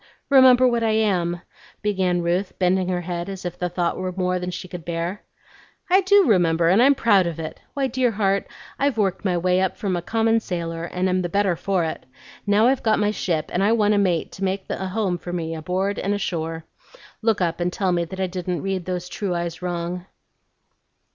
Remember what I am," began Ruth, bending her head as if the thought were more than she could bear. "I do remember, and I'm proud of it! Why, dear heart, I've worked my way up from a common sailor, and am the better for it. Now I've got my ship, and I want a mate to make a home for me aboard and ashore. Look up and tell me that I didn't read those true eyes wrong."